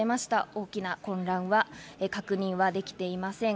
大きな混乱は確認はできていません。